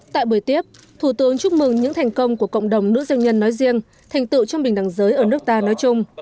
tại buổi tiếp thủ tướng chúc mừng những thành công của cộng đồng nữ doanh nhân nói riêng thành tựu trong bình đẳng giới ở nước ta nói chung